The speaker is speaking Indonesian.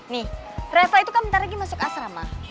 nih reva itu kan bentar lagi masuk asrama